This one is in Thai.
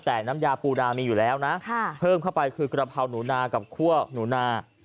แต่น้ำยาปูนามีอยู่แล้วนะเพิ่มเข้าไปคือกระเพราหนูนากับคั่วหนูนา